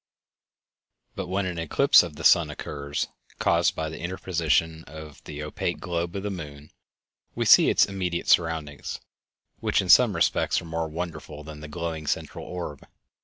But when an eclipse of the sun occurs, caused by the interposition of the opaque globe of the moon, we see its immediate surroundings, which in some respects are more wonderful than the glowing central orb.